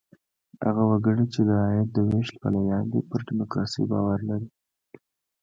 هغه وګړي، چې د عاید د وېش پلویان دي، پر ډیموکراسۍ باور لري.